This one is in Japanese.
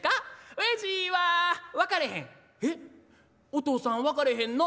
お父さん分かれへんの？」。